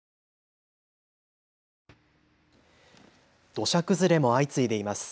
土砂崩れも相次いでいます。